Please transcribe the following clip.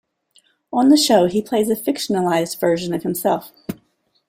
On the show he plays a fictionalized version of himself.